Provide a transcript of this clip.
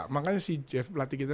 makanya si jeff latih gitu